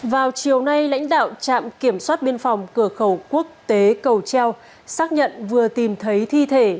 vào chiều nay lãnh đạo trạm kiểm soát biên phòng cửa khẩu quốc tế cầu treo xác nhận vừa tìm thấy thi thể